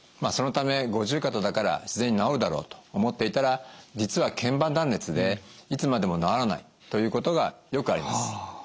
そのため五十肩だから自然に治るだろうと思っていたら実は腱板断裂でいつまでも治らないということがよくあります。